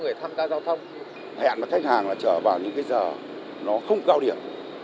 người tham gia giao thông hẹn với khách hàng là chở vào những cái giờ nó không cao điểm